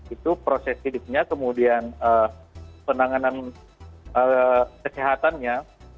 itu proses hidupnya kemudian penanganan kesehatannya